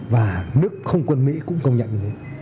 và nước không quân mỹ cũng công nhận